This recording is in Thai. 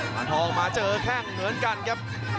มาทองมาเจอแข้งเหมือนกันครับ